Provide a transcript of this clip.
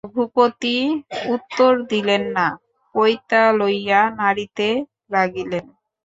রঘুপতি একটি উত্তর দিলেন না, পইতা লইয়া নাড়িতে লাগিলেন।